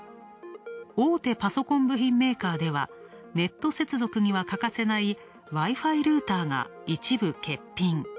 大手パソコン部品メーカーではネット接続には欠かせないＷｉ−Ｆｉルーターが一部欠品。